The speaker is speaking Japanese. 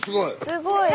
すごい。